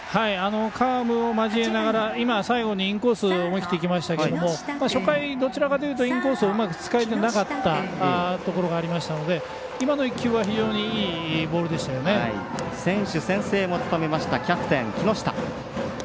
カーブを交えながら最後にインコースを思い切っていきましたけど、初回はインコースをうまく使えてなかったところがありましたので今の１球は非常に選手宣誓を務めましたキャプテン、木下。